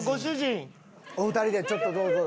お二人でちょっとどうぞ。